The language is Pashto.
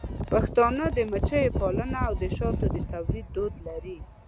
پښتانه د مچیو پالنه او د شاتو د تولید دود لري.